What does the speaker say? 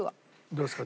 どうですか？